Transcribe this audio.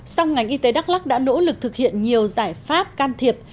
song ngành y tế đắk lắc đã nỗ lực thực hiện nhiều giải pháp can thiệp